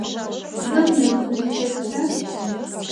Sıda mezım xesxer?